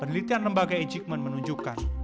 penelitian lembaga ejikmen menunjukkan